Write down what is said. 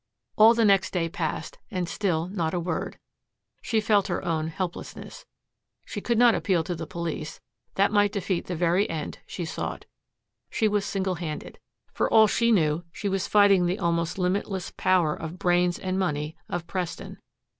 All the next day passed, and still not a word. She felt her own helplessness. She could not appeal to the police. That might defeat the very end she sought. She was single handed. For all she knew, she was fighting the almost limitless power of brains and money of Preston.